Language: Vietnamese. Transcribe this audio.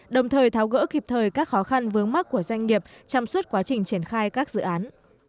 đồng thời tháo gỡ kịp thời các khó khăn vướng mắt của doanh nghiệp trong suốt quá trình triển khai các dự án